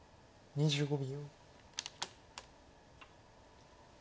２５秒。